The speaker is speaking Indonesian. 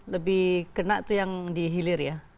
lebih kena itu yang di hilir ya